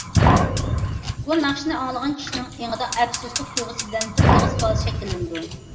بۇ ناخشىنى ئاڭلىغان كىشىنىڭ ئېڭىدا ئەپسۇسلۇق تۇيغۇسى بىلەن بىر ئېغىر سوئال شەكىللىنىدۇ.